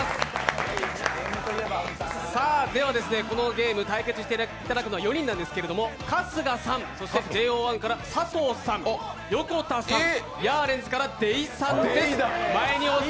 このゲーム対決していただくのは４人なんですけれども春日さん、そしてＪＯ１から佐藤さん横田さん、ヤーレンズから出井さんです。